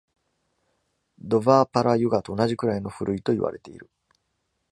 ドヴァーパラ・ユガと同じくらいの古いと言われている。